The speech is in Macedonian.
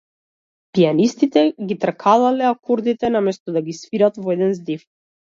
Пијанистите ги тркалалале акордите, наместо да ги свират во еден здив.